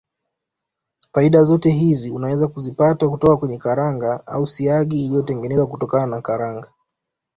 Faida zote hizi unaweza kuzipata kutoka kwenye karanga au siagi iliyotengenezwa kutokana na karanga